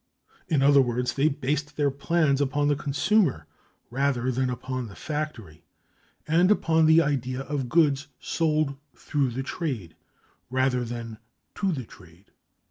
In other words, they based their plans upon the consumer rather than upon the factory, and upon the idea of goods sold through the trade rather than to the trade.